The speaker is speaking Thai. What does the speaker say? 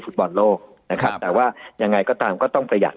ฟุตบอลโลกนะครับแต่ว่ายังไงก็ตามก็ต้องประหยัด